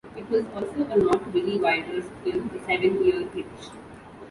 It was also a nod to Billy Wilder's film "The Seven Year Itch".